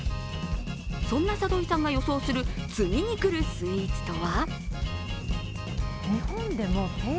そんな里井さんが予想する次に来るスイーツとは？